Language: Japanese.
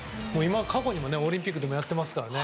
過去にもオリンピックとかでやっていますからね。